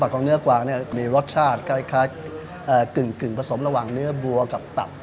ของเนื้อกวางมีรสชาติคล้ายกึ่งผสมระหว่างเนื้อบัวกับตับ